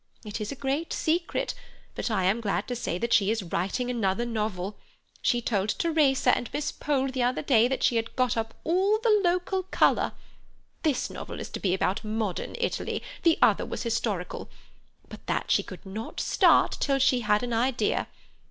It is a great secret, but I am glad to say that she is writing another novel. She told Teresa and Miss Pole the other day that she had got up all the local colour—this novel is to be about modern Italy; the other was historical—but that she could not start till she had an idea.